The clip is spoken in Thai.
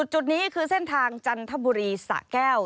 จุดนี้คือเส้นทางจันทบุรีสะแก้ว